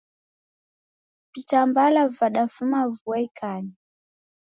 Vitambala vadafuma vua ikanya.